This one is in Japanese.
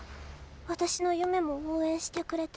私の夢も応援してくれて。